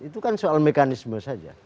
itu kan soal mekanisme saja